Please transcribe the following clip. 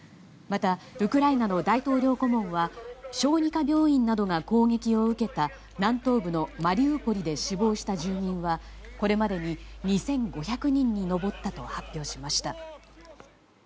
また、ウクライナの大統領顧問は小児科病院などが攻撃を受けた南東部のマリウポリで死亡した住民はこれまでに２５００人に上ったと発表しました。